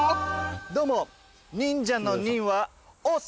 どうも。